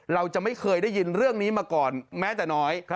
เราจะไม่เคยได้ยินเรื่องนี้มาก่อนแม้แต่น้อย